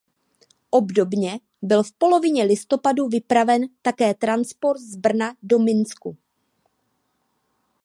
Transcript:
Obdobně byl v polovině listopadu vypraven také transport z Brna do Minsku.